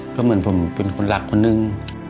ก็เหมือนผมเป็นคนรักคนนึง